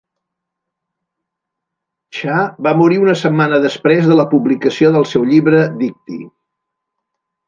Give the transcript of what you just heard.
Cha va morir una setmana després de la publicació del seu llibre Dictee.